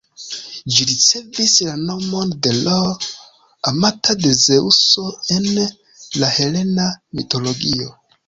Ĝi ricevis la nomon de Io, amata de Zeŭso en la helena mitologio.